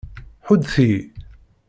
Ḥuddet-iyi!